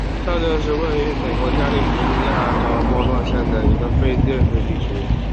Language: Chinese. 上镇是位于美国加利福尼亚州莫诺县的一个非建制地区。